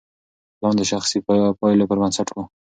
پلان د شخصي پایلو پر بنسټ و.